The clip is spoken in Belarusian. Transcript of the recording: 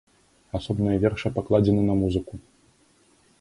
Асобныя вершы пакладзены на музыку.